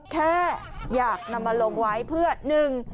แค่อยากนำมาลงไว้เพื่อหนึ่ง